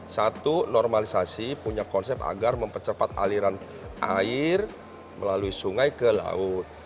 satu normalisasi punya konsep agar mempercepat aliran air melalui sungai ke laut